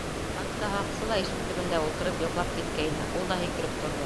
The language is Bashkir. Хатта һаҡсы ла ишек төбөндә ултырып йоҡлап киткәйне, ул да һикереп торҙо.